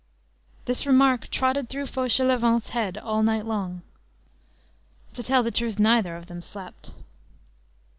This remark trotted through Fauchelevent's head all night long. To tell the truth, neither of them slept.